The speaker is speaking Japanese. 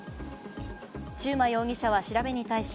中馬容疑者は調べに対し、